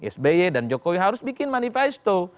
sby dan jokowi harus bikin manifesto